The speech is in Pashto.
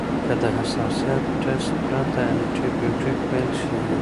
که د حساسیت ټسټ پرته انټي بیوټیک پیل شي.